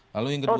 lalu yang kedua